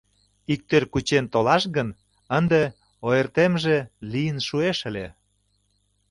Иктӧр кучен толаш гын, ынде ойыртемже лийын шуэш ыле.